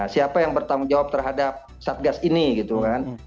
siapa yang bertanggung jawab terhadap satgas ini gitu kan